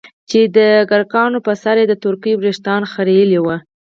چې دکرکانو په سر يې د تورکي وريښتان خرييلي وو.